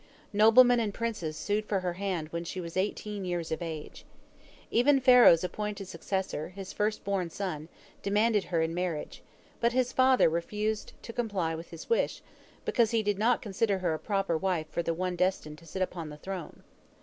Noblemen and princes sued for her hand when she was eighteen years of age. Even Pharaoh's appointed successor, his first born son, demanded her in marriage, but his father refused to comply with his wish, because he did not consider her a proper wife for one destined to sit upon the throne.